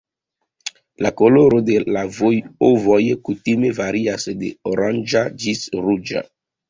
La koloro de la ovoj kutime varias de oranĝa ĝis ruĝa.